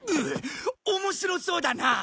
面白そうだな。